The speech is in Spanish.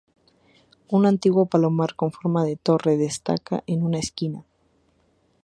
Un antiguo palomar con forma de torre destaca en una esquina.